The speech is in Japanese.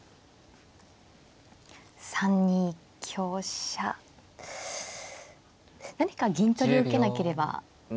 ３二香車何か銀取りを受けなければいけない。